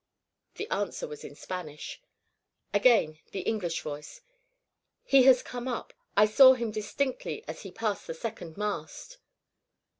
The answer was in Spanish. Again the English voice: "He has come up. I saw him distinctly as he passed the second mast."